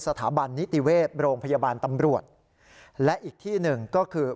สถาบันนิติเวชโรงพยาบาลตำรวจและอีกที่หนึ่งก็คือ